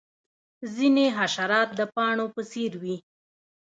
ځینې حشرات د پاڼو په څیر وي